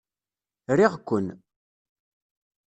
Riɣ-ken.